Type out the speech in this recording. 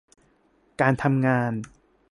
การทำงาน